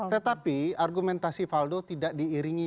tetapi argumentasi valdo tidak diiringi dan diiris